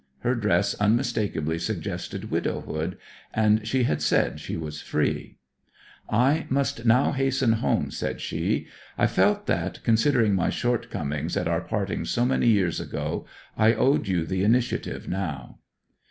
Her dress unmistakably suggested widowhood; and she had said she was free. 'I must now hasten home,' said she. 'I felt that, considering my shortcomings at our parting so many years ago, I owed you the initiative now.'